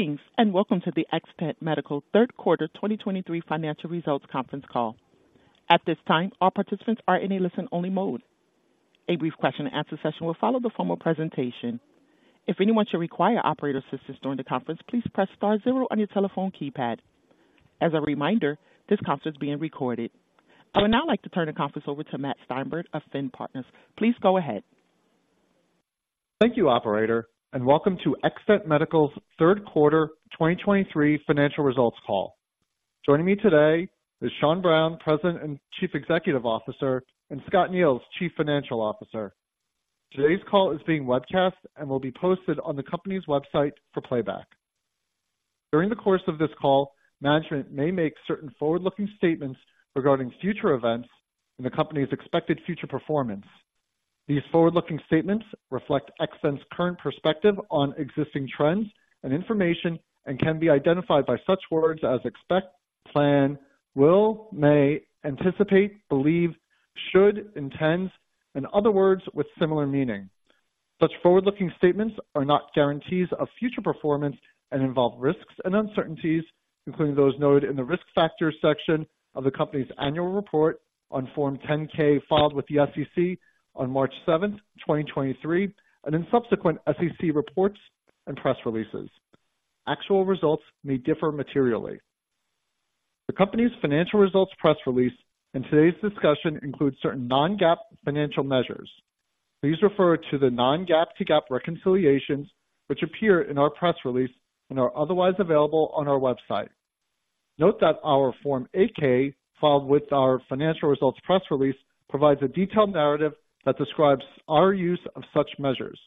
Greetings, and welcome to the Xtant Medical Q3 2023 financial results conference call. At this time, all participants are in a listen-only mode. A brief question-and-answer session will follow the formal presentation. If anyone should require operator assistance during the conference, please press star zero on your telephone keypad. As a reminder, this conference is being recorded. I would now like to turn the conference over to Matt Steinberg of FINN Partners. Please go ahead. Thank you, operator, and welcome to Xtant Medical's Q3 2023 financial results call. Joining me today is Sean Browne, President and Chief Executive Officer, and Scott Neils, Chief Financial Officer. Today's call is being webcast and will be posted on the company's website for playback. During the course of this call, management may make certain forward-looking statements regarding future events and the company's expected future performance. These forward-looking statements reflect Xtant's current perspective on existing trends and information and can be identified by such words as expect, plan, will, may, anticipate, believe, should, intends, and other words with similar meaning. Such forward-looking statements are not guarantees of future performance and involve risks and uncertainties, including those noted in the Risk Factors section of the company's annual report on Form 10-K, filed with the SEC on March 7, 2023, and in subsequent SEC reports and press releases. Actual results may differ materially. The company's financial results press release and today's discussion include certain non-GAAP financial measures. Please refer to the non-GAAP to GAAP reconciliations, which appear in our press release and are otherwise available on our website. Note that our Form 8-K, filed with our financial results press release, provides a detailed narrative that describes our use of such measures.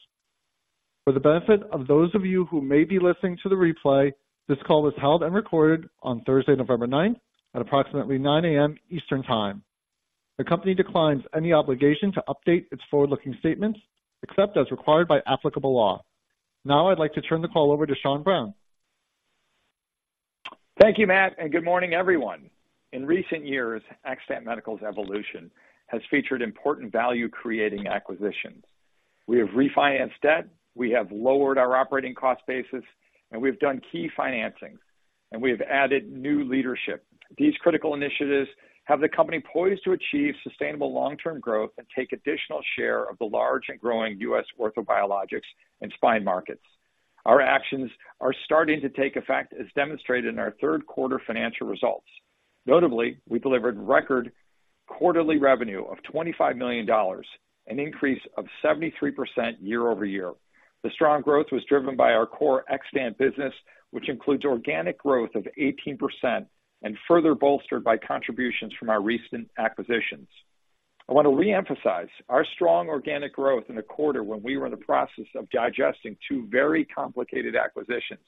For the benefit of those of you who may be listening to the replay, this call was held and recorded on Thursday, November 9th, at approximately 9 A.M. Eastern Time. The company declines any obligation to update its forward-looking statements, except as required by applicable law. Now, I'd like to turn the call over to Sean Browne. Thank you, Matt, and good morning, everyone. In recent years, Xtant Medical's evolution has featured important value-creating acquisitions. We have refinanced debt, we have lowered our operating cost basis, and we've done key financings, and we have added new leadership. These critical initiatives have the company poised to achieve sustainable long-term growth and take additional share of the large and growing U.S. orthobiologics and spine markets. Our actions are starting to take effect, as demonstrated in our Q3 financial results. Notably, we delivered record quarterly revenue of $25 million, an increase of 73% year-over-year. The strong growth was driven by our core Xtant business, which includes organic growth of 18% and further bolstered by contributions from our recent acquisitions. I want to reemphasize our strong organic growth in a quarter when we were in the process of digesting two very complicated acquisitions.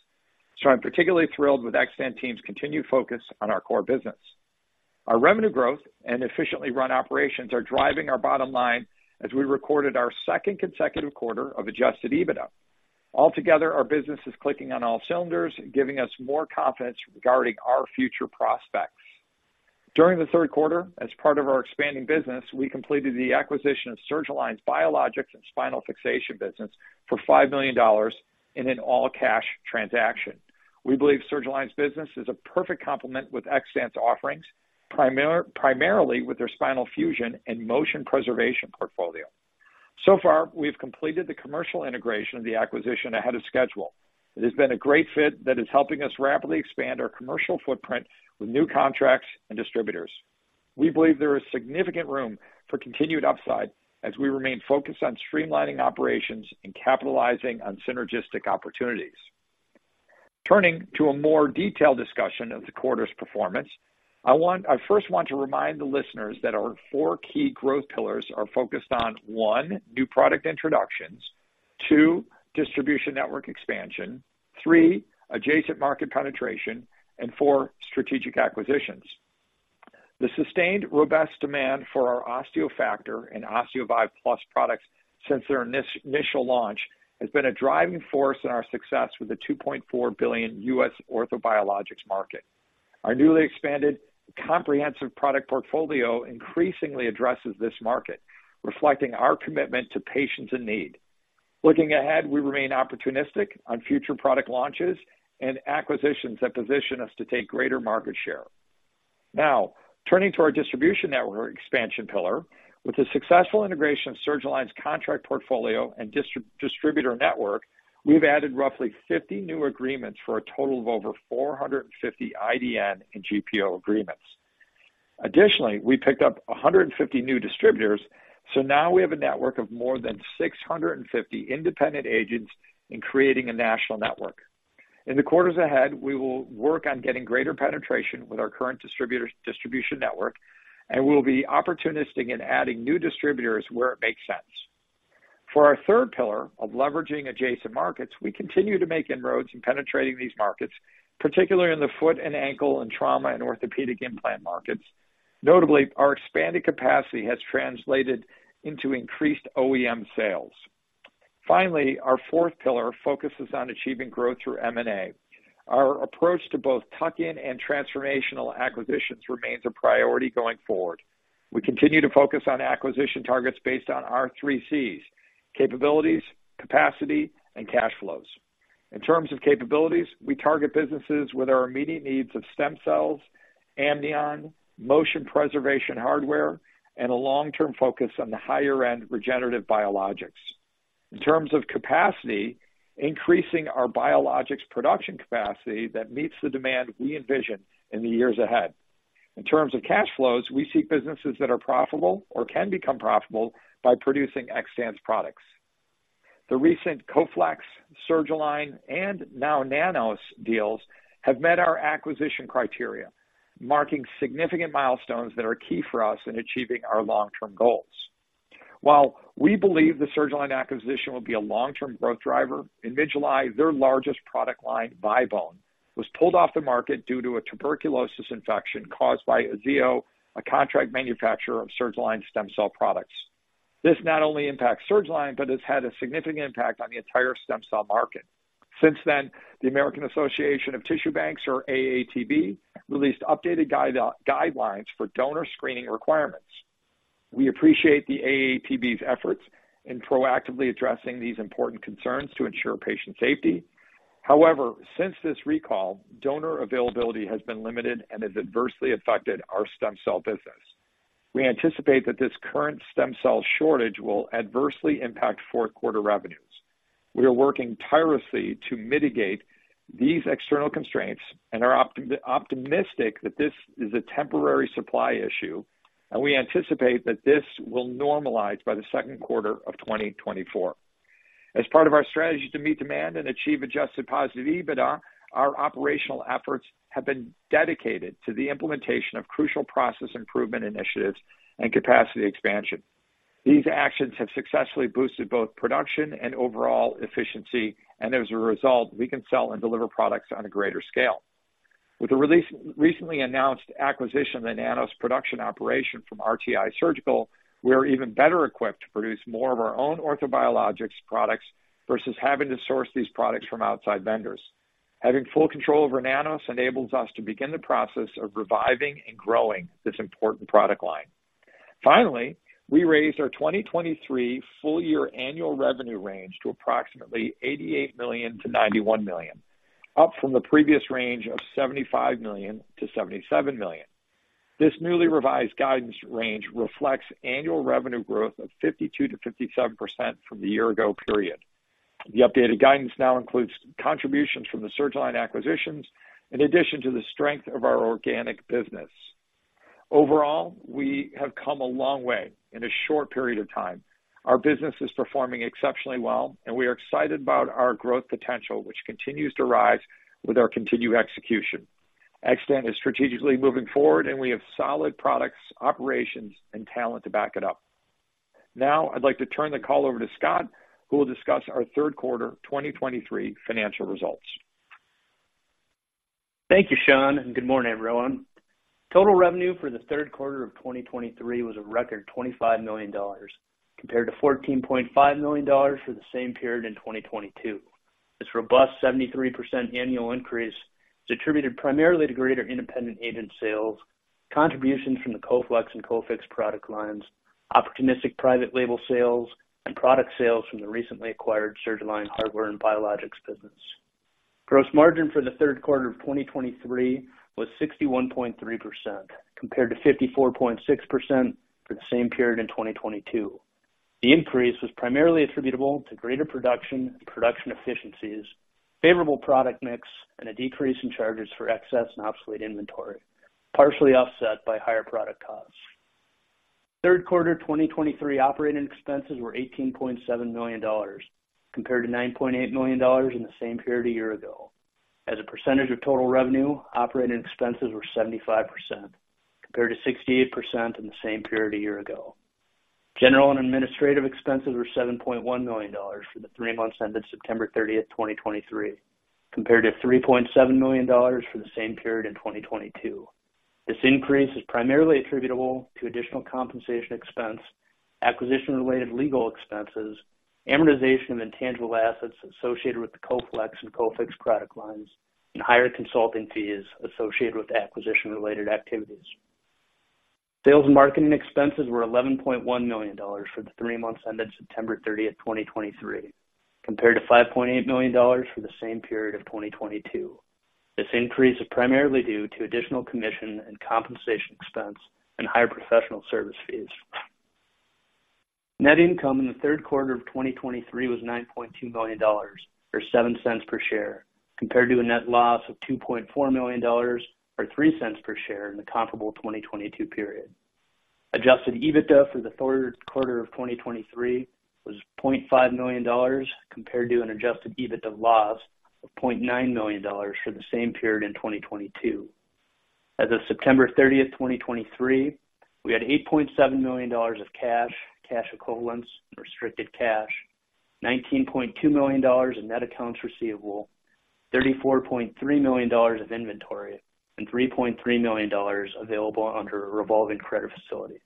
So I'm particularly thrilled with Xtant team's continued focus on our core business. Our revenue growth and efficiently run operations are driving our bottom line as we recorded our second consecutive quarter of Adjusted EBITDA. Altogether, our business is clicking on all cylinders, giving us more confidence regarding our future prospects. During the Q3, as part of our expanding business, we completed the acquisition of Surgalign's biologics and spinal fixation business for $5 million in an all-cash transaction. We believe Surgalign's business is a perfect complement with Xtant's offerings, primarily with their spinal fusion and motion preservation portfolio. So far, we've completed the commercial integration of the acquisition ahead of schedule. It has been a great fit that is helping us rapidly expand our commercial footprint with new contracts and distributors. We believe there is significant room for continued upside as we remain focused on streamlining operations and capitalizing on synergistic opportunities. Turning to a more detailed discussion of the quarter's performance, I first want to remind the listeners that our four key growth pillars are focused on, one, new product introductions, two, distribution network expansion, three, adjacent market penetration, and four, strategic acquisitions. The sustained robust demand for our OsteoFactor and OsteoVive Plus products since their initial launch has been a driving force in our success with the $2.4 billion U.S. orthobiologics market. Our newly expanded comprehensive product portfolio increasingly addresses this market, reflecting our commitment to patients in need. Looking ahead, we remain opportunistic on future product launches and acquisitions that position us to take greater market share. Now, turning to our distribution network expansion pillar. With the successful integration of Surgalign's contract portfolio and distributor network, we've added roughly 50 new agreements for a total of over 450 IDN and GPO agreements. Additionally, we picked up 150 new distributors, so now we have a network of more than 650 independent agents in creating a national network. In the quarters ahead, we will work on getting greater penetration with our current distribution network, and we'll be opportunistic in adding new distributors where it makes sense. For our third pillar of leveraging adjacent markets, we continue to make inroads in penetrating these markets, particularly in the foot and ankle and trauma and orthopedic implant markets. Notably, our expanded capacity has translated into increased OEM sales. Finally, our fourth pillar focuses on achieving growth through M&A. Our approach to both tuck-in and transformational acquisitions remains a priority going forward. We continue to focus on acquisition targets based on our three Cs: capabilities, capacity, and cash flows. In terms of capabilities, we target businesses with our immediate needs of stem cells, amnion, motion preservation hardware, and a long-term focus on the higher-end regenerative biologics. In terms of capacity, increasing our biologics production capacity that meets the demand we envision in the years ahead. In terms of cash flows, we seek businesses that are profitable or can become profitable by producing Xtant's products. The recent Coflex, Surgalign, and now nanOss deals have met our acquisition criteria, marking significant milestones that are key for us in achieving our long-term goals. While we believe the Surgalign acquisition will be a long-term growth driver, in mid-July, their largest product line, ViBone, was pulled off the market due to a tuberculosis infection caused by Aziyo, a contract manufacturer of Surgalign stem cell products. This not only impacts Surgalign, but has had a significant impact on the entire stem cell market. Since then, the American Association of Tissue Banks, or AATB, released updated guidelines for donor screening requirements. We appreciate the AATB's efforts in proactively addressing these important concerns to ensure patient safety. However, since this recall, donor availability has been limited and has adversely affected our stem cell business. We anticipate that this current stem cell shortage will adversely impact Q4 revenues. We are working tirelessly to mitigate these external constraints and are optimistic that this is a temporary supply issue, and we anticipate that this will normalize by the Q4 of 2024. As part of our strategy to meet demand and achieve adjusted positive EBITDA, our operational efforts have been dedicated to the implementation of crucial process improvement initiatives and capacity expansion. These actions have successfully boosted both production and overall efficiency, and as a result, we can sell and deliver products on a greater scale. With the recently announced acquisition of the nanOss production operation from RTI Surgical, we are even better equipped to produce more of our own orthobiologics products versus having to source these products from outside vendors. Having full control over nanOss enables us to begin the process of reviving and growing this important product line. Finally, we raised our 2023 full year annual revenue range to approximately $88 million-$91 million, up from the previous range of $75 million-$77 million. This newly revised guidance range reflects annual revenue growth of 52%-57% from the year ago period. The updated guidance now includes contributions from the Surgalign acquisitions, in addition to the strength of our organic business. Overall, we have come a long way in a short period of time. Our business is performing exceptionally well, and we are excited about our growth potential, which continues to rise with our continued execution. Xtant is strategically moving forward, and we have solid products, operations, and talent to back it up. Now, I'd like to turn the call over to Scott, who will discuss our Q3 2023 financial results. Thank you, Sean, and good morning, everyone. Total revenue for the Q3 of 2023 was a record $25 million, compared to $14.5 million for the same period in 2022. This robust 73% annual increase is attributed primarily to greater independent agent sales, contributions from the Coflex and Cofix product lines, opportunistic private label sales, and product sales from the recently acquired Surgalign hardware and biologics business. Gross margin for the Q3 of 2023 was 61.3%, compared to 54.6% for the same period in 2022. The increase was primarily attributable to greater production, production efficiencies, favorable product mix, and a decrease in charges for excess and obsolete inventory, partially offset by higher product costs. Q3 2023 operating expenses were $18.7 million, compared to $9.8 million in the same period a year ago. As a percentage of total revenue, operating expenses were 75%, compared to 68% in the same period a year ago. General and administrative expenses were $7.1 million for the three months ended September 30, 2023, compared to $3.7 million for the same period in 2022. This increase is primarily attributable to additional compensation expense, acquisition-related legal expenses, amortization of intangible assets associated with the Coflex and Cofix product lines, and higher consulting fees associated with acquisition-related activities. Sales and marketing expenses were $11.1 million for the three months ended September 30, 2023, compared to $5.8 million for the same period of 2022. This increase is primarily due to additional commission and compensation expense and higher professional service fees. Net income in the Q3 of 2023 was $9.2 million, or $0.07 per share, compared to a net loss of $2.4 million, or $.03 per share, in the comparable 2022 period. Adjusted EBITDA for the Q3 of 2023 was $0.5 million, compared to an Adjusted EBITDA loss of $0.9 million for the same period in 2022. As of September 30th, 2023, we had $8.7 million of cash, cash equivalents, and restricted cash, $19.2 million in net accounts receivable, $34.3 million of inventory, and $3.3 million available under a revolving credit facility.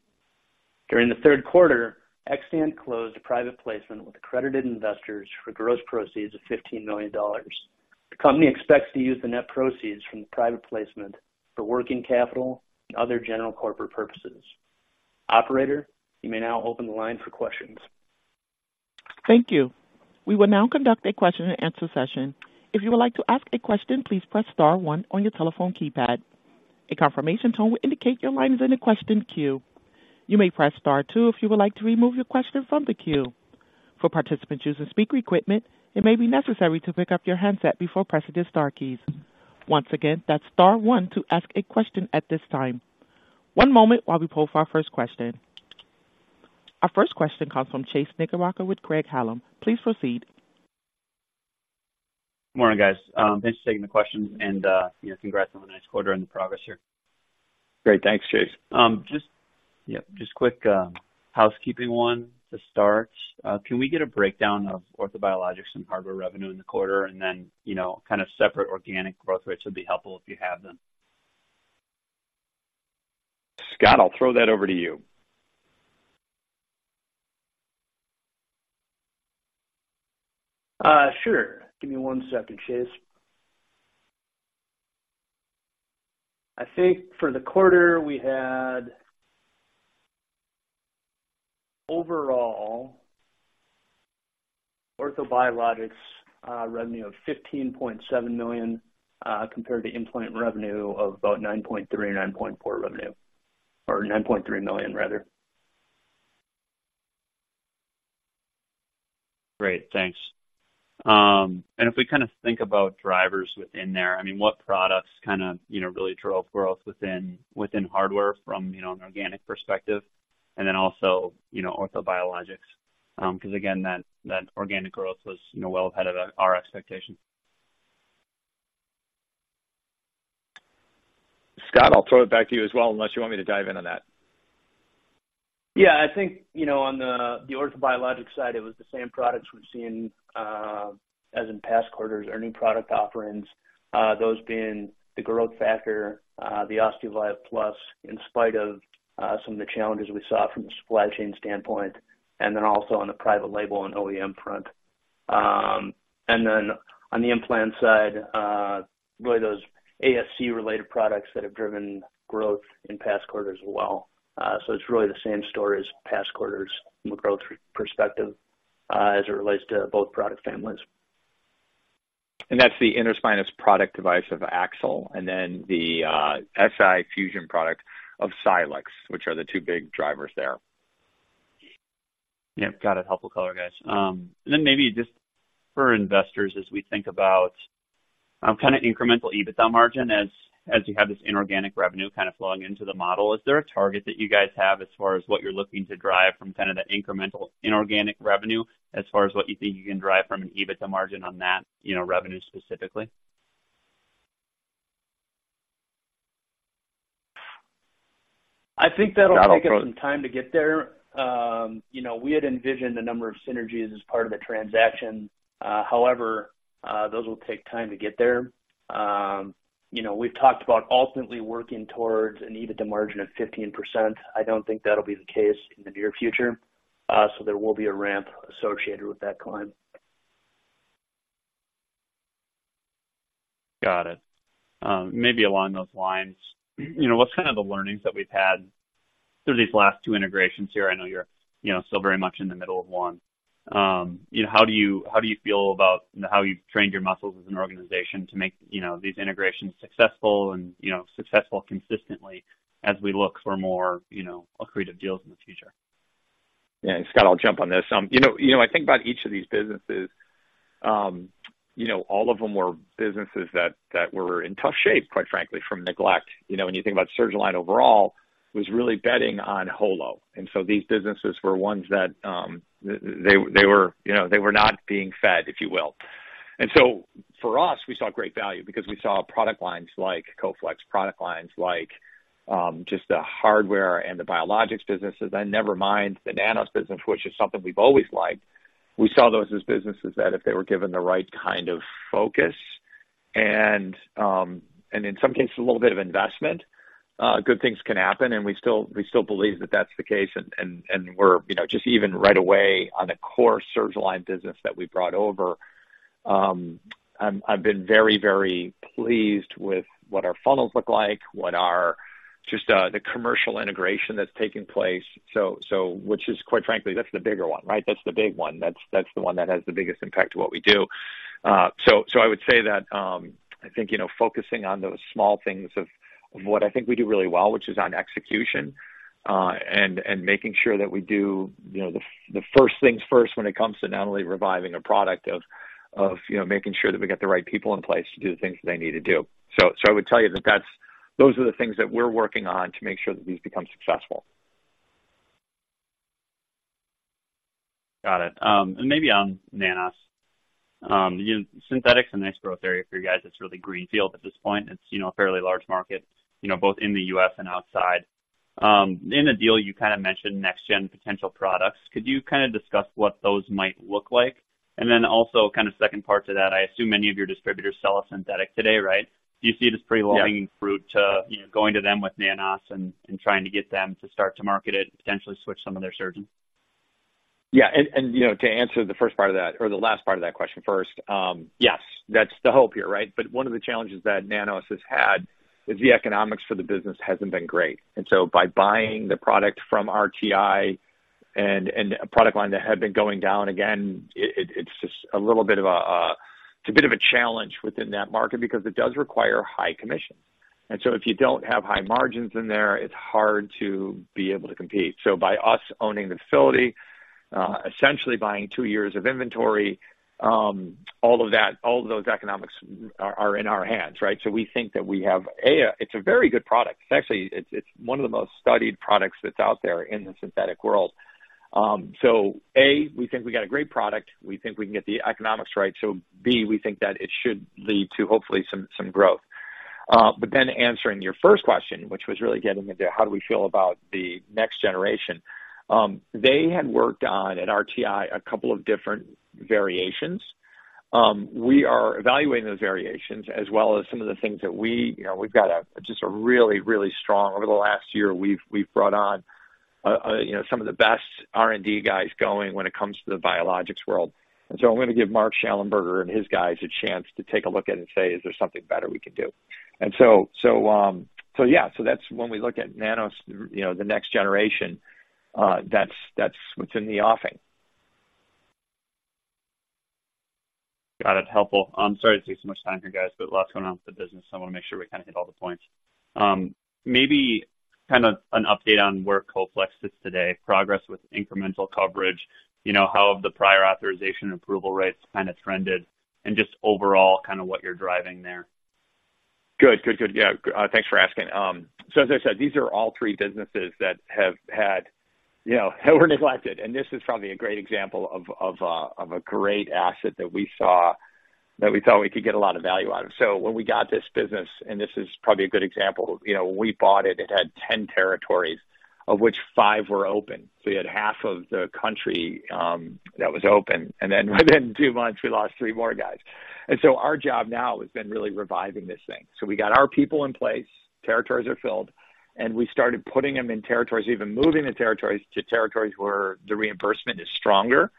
During the Q3, Xtant closed a private placement with accredited investors for gross proceeds of $15 million. The company expects to use the net proceeds from the private placement for working capital and other general corporate purposes. Operator, you may now open the line for questions. Thank you. We will now conduct a question-and-answer session. If you would like to ask a question, please press star one on your telephone keypad. A confirmation tone will indicate your line is in the question queue. You may press star two if you would like to remove your question from the queue. For participants using speaker equipment, it may be necessary to pick up your handset before pressing the star keys. Once again, that's star one to ask a question at this time. One moment while we poll for our first question. Our first question comes from Chase Knickerbocker with Craig-Hallum. Please proceed. Morning, guys. Thanks for taking the questions, and, you know, congrats on the nice quarter and the progress here. Great. Thanks, Chase. Just quick housekeeping one to start. Can we get a breakdown of Orthobiologics and hardware revenue in the quarter? And then, you know, kind of separate organic growth rates would be helpful if you have them. Scott, I'll throw that over to you. Sure. Give me one second, Chase. I think for the quarter, we had overall orthobiologics revenue of $15.7 million compared to implant revenue of about $9.3 million or $9.4 million revenue, or $9.3 million rather. Great, thanks. And if we kind of think about drivers within there, I mean, what products kind of, you know, really drove growth within, within hardware from, you know, an organic perspective and then also, you know, orthobiologics? Because again, that, that organic growth was, you know, well ahead of our expectations. Scott, I'll throw it back to you as well, unless you want me to dive in on that. Yeah, I think, you know, on the orthobiologics side, it was the same products we've seen as in past quarters, our new product offerings, those being the growth factor, the OsteoVive Plus, in spite of some of the challenges we saw from the supply chain standpoint, and then also on the private label and OEM front. And then on the implant side, really those ASC-related products that have driven growth in past quarters well. So it's really the same story as past quarters from a growth perspective, as it relates to both product families. That's the interspinous product device of Axle and then the SI fusion product of Silex, which are the two big drivers there. Yep, got it. Helpful color, guys. And then maybe just for investors, as we think about kind of incremental EBITDA margin, as you have this inorganic revenue kind of flowing into the model, is there a target that you guys have as far as what you're looking to drive from kind of the incremental inorganic revenue, as far as what you think you can drive from an EBITDA margin on that, you know, revenue specifically? I think that'll take us some time to get there. You know, we had envisioned a number of synergies as part of the transaction. However, those will take time to get there. You know, we've talked about ultimately working towards an EBITDA margin of 15%. I don't think that'll be the case in the near future, so there will be a ramp associated with that climb. Got it. Maybe along those lines, you know, what's kind of the learnings that we've had through these last two integrations here? I know you're, you know, still very much in the middle of one. You know, how do you, how do you feel about how you've trained your muscles as an organization to make, you know, these integrations successful and, you know, successful consistently as we look for more, you know, accretive deals in the future? Yeah, Scott, I'll jump on this. You know, you know, I think about each of these businesses, you know, all of them were businesses that were in tough shape, quite frankly, from neglect. You know, when you think about Surgalign overall, was really betting on Holo. And so these businesses were ones that, they were, you know, they were not being fed, if you will. And so for us, we saw great value because we saw product lines like Coflex, product lines like, just the hardware and the biologics businesses, and never mind the nanOss business, which is something we've always liked. We saw those as businesses that if they were given the right kind of focus and, and in some cases, a little bit of investment, good things can happen. And we still, we still believe that that's the case. And we're, you know, just even right away on the core Surgalign business that we brought over. I've been very, very pleased with what our funnels look like, what our just the commercial integration that's taking place. So which is, quite frankly, that's the bigger one, right? That's the big one. That's the one that has the biggest impact to what we do. So I would say that I think, you know, focusing on those small things of what I think we do really well, which is on execution and making sure that we do, you know, the first things first when it comes to not only reviving a product of, you know, making sure that we got the right people in place to do the things that they need to do. So I would tell you that those are the things that we're working on to make sure that these become successful. Got it. And maybe on nanOss, you know, synthetics a nice growth area for you guys. It's really greenfield at this point. It's, you know, a fairly large market, you know, both in the U.S. and outside. In the deal, you kind of mentioned next-gen potential products. Could you kind of discuss what those might look like?...And then also kind of second part to that, I assume many of your distributors sell a synthetic today, right? Do you see it as pretty low-hanging fruit to, you know, going to them with nanOss and, and trying to get them to start to market it, potentially switch some of their surgeons? Yeah, and, you know, to answer the first part of that or the last part of that question first, yes, that's the hope here, right? But one of the challenges that nanOss has had is the economics for the business hasn't been great. And so by buying the product from RTI and a product line that had been going down, again, it's just a little bit of a challenge within that market because it does require high commission. And so if you don't have high margins in there, it's hard to be able to compete. So by us owning the facility, essentially buying two years of inventory, all of that, all of those economics are in our hands, right? So we think that we have, A, it's a very good product. Actually, it's one of the most studied products that's out there in the synthetic world. So A, we think we got a great product. We think we can get the economics right. So B, we think that it should lead to hopefully some growth. But then answering your first question, which was really getting into how do we feel about the next generation? They had worked on, at RTI, a couple of different variations. We are evaluating those variations as well as some of the things that we. You know, we've got a just a really, really strong. Over the last year, we've brought on, you know, some of the best R&D guys going when it comes to the biologics world. And so I'm going to give Mark Shallenberger and his guys a chance to take a look at it and say: Is there something better we can do? And so, so, yeah, so that's when we look at nanOss, you know, the next generation, that's what's in the offing. Got it. Helpful. I'm sorry to take so much time here, guys, but lots going on with the business, so I want to make sure we kind of hit all the points. Maybe kind of an update on where Coflex sits today, progress with incremental coverage, you know, how have the prior authorization approval rates kind of trended and just overall, kind of what you're driving there? Good. Good, good. Yeah, thanks for asking. So as I said, these are all three businesses that have had, you know, were neglected, and this is probably a great example of a great asset that we saw, that we thought we could get a lot of value out of. So when we got this business, and this is probably a good example, you know, when we bought it, it had 10 territories, of which 5 were open. So you had half of the country that was open, and then within 2 months, we lost 3 more guys. And so our job now has been really reviving this thing. So we got our people in place, territories are filled, and we started putting them in territories, even moving the territories to territories where the reimbursement is stronger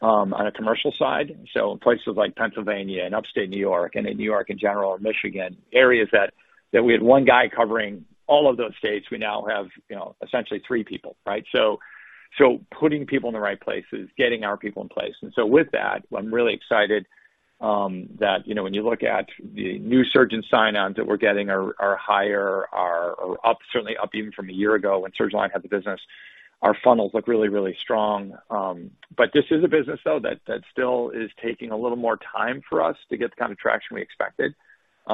on a commercial side. So in places like Pennsylvania and upstate New York and in New York in general, or Michigan, areas that we had one guy covering all of those states, we now have, you know, essentially three people, right? So putting people in the right places, getting our people in place. And so with that, I'm really excited that you know, when you look at the new surgeon sign-ons that we're getting are up, certainly up even from a year ago when Surgalign had the business. Our funnels look really, really strong. But this is a business, though, that still is taking a little more time for us to get the kind of traction we expected. You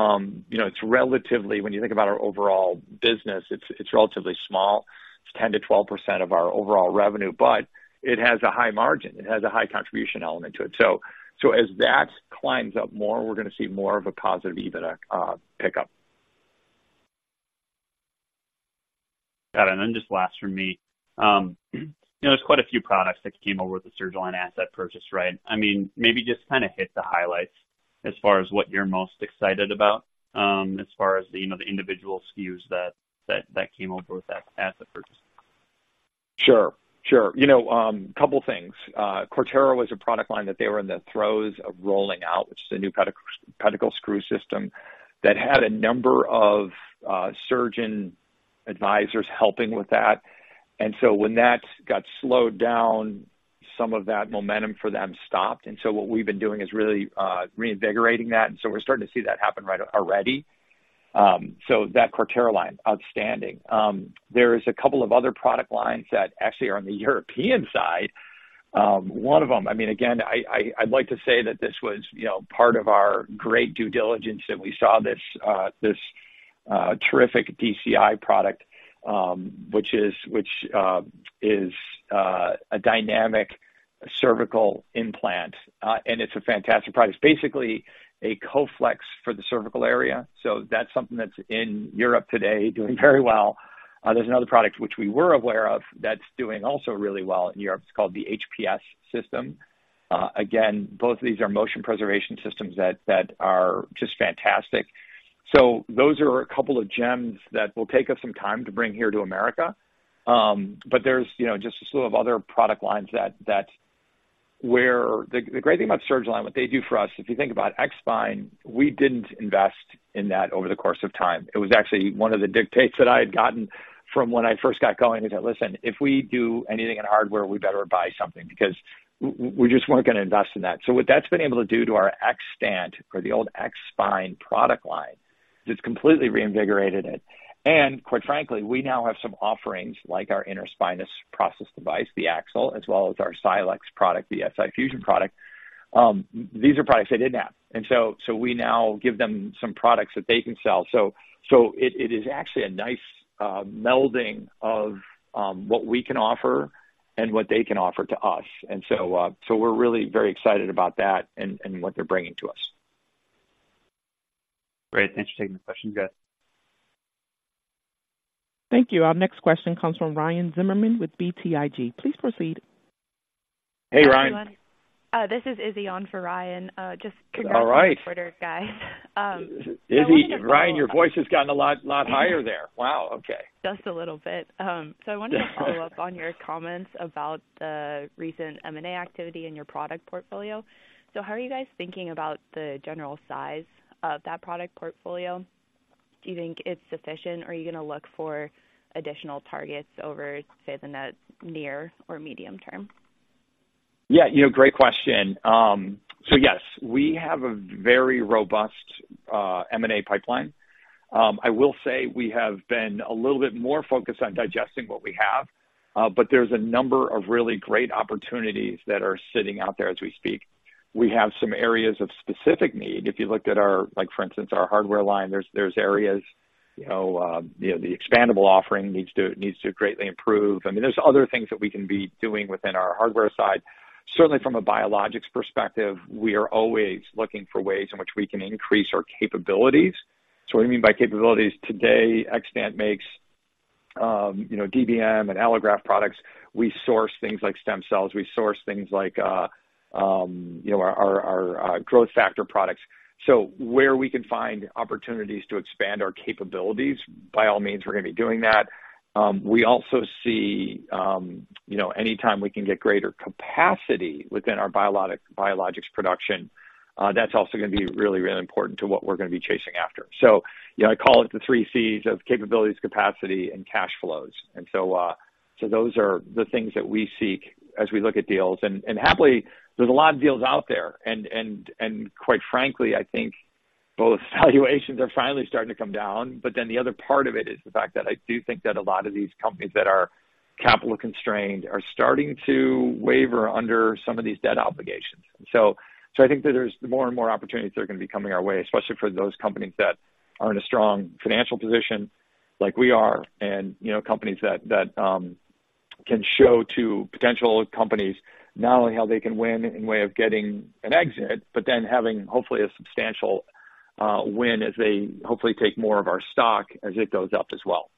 know, it's relatively, when you think about our overall business, it's relatively small. It's 10%-12% of our overall revenue, but it has a high margin. It has a high contribution element to it. So, as that climbs up more, we're going to see more of a positive EBITDA pickup. Got it. And then just last from me, you know, there's quite a few products that came over with the Surgalign asset purchase, right? I mean, maybe just kind of hit the highlights as far as what you're most excited about, as far as, you know, the individual SKUs that came over with that asset purchase. Sure, sure. You know, a couple things. Cortera was a product line that they were in the throes of rolling out, which is a new pedicle screw system that had a number of surgeon advisors helping with that. And so when that got slowed down, some of that momentum for them stopped. And so what we've been doing is really reinvigorating that, and so we're starting to see that happen right already. So that Cortera line, outstanding. There's a couple of other product lines that actually are on the European side. One of them, I mean, again, I'd like to say that this was, you know, part of our great due diligence, that we saw this terrific DCI product, which is a dynamic cervical implant, and it's a fantastic product. It's basically a Coflex for the cervical area. So that's something that's in Europe today, doing very well. There's another product which we were aware of, that's doing also really well in Europe. It's called the HPS system. Again, both of these are motion preservation systems that are just fantastic. So those are a couple of gems that will take us some time to bring here to America. But there's, you know, just a slew of other product lines that. The great thing about Surgalign, what they do for us, if you think about X-Spine, we didn't invest in that over the course of time. It was actually one of the dictates that I had gotten from when I first got going. They said: "Listen, if we do anything in hardware, we better buy something, because we just weren't going to invest in that." So what that's been able to do to our Xtant or the old X-Spine product line, is it's completely reinvigorated it. And quite frankly, we now have some offerings, like our interspinous process device, the Axle, as well as our Silex product, the SI Fusion product. These are products they didn't have, and so we now give them some products that they can sell. So it is actually a nice melding of what we can offer and what they can offer to us. And so we're really very excited about that and what they're bringing to us. Great. Thanks for taking the question, guys. Thank you. Our next question comes from Ryan Zimmerman with BTIG. Please proceed. Hey, Ryan. Hi, everyone. This is Izzy on for Ryan. Just- All right. Congrats on the quarter, guys. I wanted to follow- Izzy... Ryan, your voice has gotten a lot, lot higher there. Wow! Okay. Just a little bit. I wanted to follow up on your comments about the recent M&A activity in your product portfolio. So how are you guys thinking about the general size of that product portfolio? Do you think it's sufficient, or are you gonna look for additional targets over, say, the next near or medium term? Yeah, you know, great question. So yes, we have a very robust M&A pipeline. I will say we have been a little bit more focused on digesting what we have, but there's a number of really great opportunities that are sitting out there as we speak. We have some areas of specific need. If you looked at our—like, for instance, our hardware line, there are areas, you know, the expandable offering needs to greatly improve. I mean, there's other things that we can be doing within our hardware side. Certainly from a biologics perspective, we are always looking for ways in which we can increase our capabilities. So what I mean by capabilities, today, Xtant makes, you know, DBM and allograft products. We source things like stem cells. We source things like, you know, our growth factor products. So where we can find opportunities to expand our capabilities, by all means, we're gonna be doing that. We also see, you know, anytime we can get greater capacity within our biologics production, that's also gonna be really, really important to what we're gonna be chasing after. So, you know, I call it the three Cs of capabilities, capacity, and cash flows. And so those are the things that we seek as we look at deals. And quite frankly, I think both valuations are finally starting to come down. But then the other part of it is the fact that I do think that a lot of these companies that are capital-constrained are starting to waver under some of these debt obligations. So I think that there's more and more opportunities that are gonna be coming our way, especially for those companies that are in a strong financial position like we are, and, you know, companies that can show to potential companies not only how they can win in way of getting an exit, but then having, hopefully, a substantial win as they hopefully take more of our stock as it goes up as well.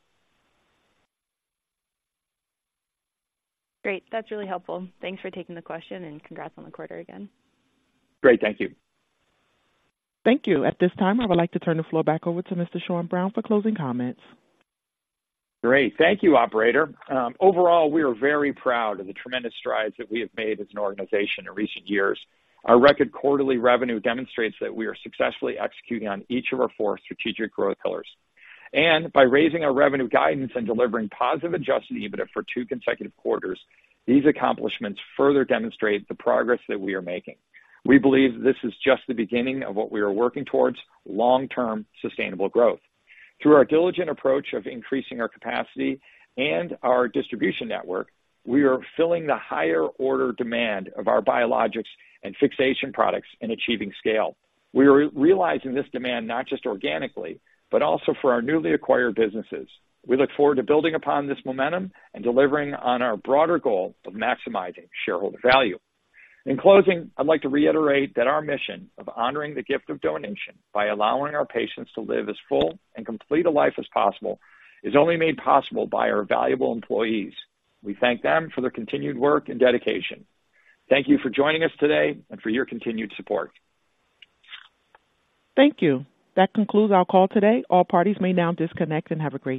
Great. That's really helpful. Thanks for taking the question, and congrats on the quarter again. Great. Thank you. Thank you. At this time, I would like to turn the floor back over to Mr. Sean Browne for closing comments. Great. Thank you, operator. Overall, we are very proud of the tremendous strides that we have made as an organization in recent years. Our record quarterly revenue demonstrates that we are successfully executing on each of our four strategic growth pillars. And by raising our revenue guidance and delivering positive Adjusted EBITDA for two consecutive quarters, these accomplishments further demonstrate the progress that we are making. We believe this is just the beginning of what we are working towards: long-term, sustainable growth. Through our diligent approach of increasing our capacity and our distribution network, we are filling the higher order demand of our biologics and fixation products in achieving scale. We are realizing this demand not just organically, but also for our newly acquired businesses. We look forward to building upon this momentum and delivering on our broader goal of maximizing shareholder value. In closing, I'd like to reiterate that our mission of honoring the gift of donation by allowing our patients to live as full and complete a life as possible, is only made possible by our valuable employees. We thank them for their continued work and dedication. Thank you for joining us today and for your continued support. Thank you. That concludes our call today. All parties may now disconnect and have a great day.